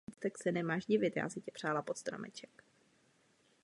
Vidíme pozitivní vývoj, pokrok a úspěch.